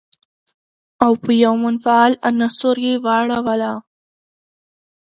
او په يوه منفعل عنصر يې واړوله.